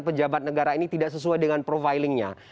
pejabat negara ini tidak sesuai dengan profilingnya